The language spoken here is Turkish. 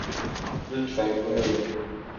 Lütfen buyrun.